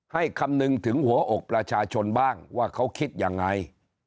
คำนึงถึงหัวอกประชาชนบ้างว่าเขาคิดยังไง